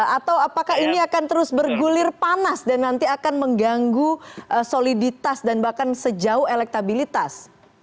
atau apakah ini akan terus bergulir panas dan nanti akan mengganggu soliditas dan bahkan sejauh elektabilitas